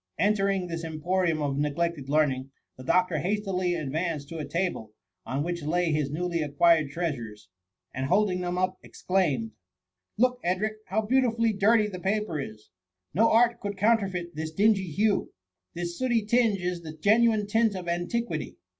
Enter ing this emporium of neglected learning, the doctor hastily advanced to a table, on which lay his newly acquired treasures, and holding them up, exclaimed, ^* Look, Edric, how beau tifully dirty the paper is ; no art could counter feit this dingy hue. This sdbty tinge is the genuine tint of antiquity.